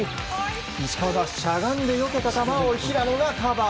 石川がしゃがんでよけた球を平野がカバー。